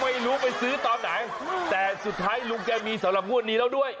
ไม่รู้ไปซื้อตอนไหนแต่สุดท้ายลุงแกมีสำหรับงวดนี้แล้วด้วย